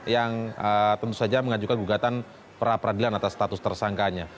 yang tentu saja mengajukan gugatan pra peradilan atas status tersangkanya